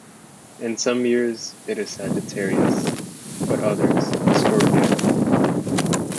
In some years it is Sagittarius, but others Scorpio.